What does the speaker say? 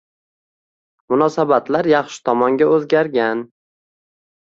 Munosabatlar yaxshi tomonga oʻzgargan.